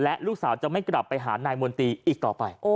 และลูกสาวจะไม่กลับไปหานายมนตรีอีกต่อไป